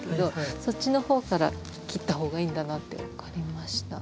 そっちの方から切った方がいいんだなって分かりました。